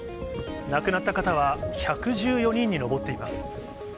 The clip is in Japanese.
亡くなった方は１１４人に上っています。